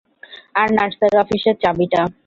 আর নার্সের অফিসের চাবিটা।